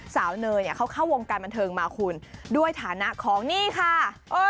เนยเนี่ยเขาเข้าวงการบันเทิงมาคุณด้วยฐานะของนี่ค่ะ